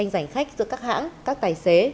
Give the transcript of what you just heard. dành khách giữa các hãng các tài xế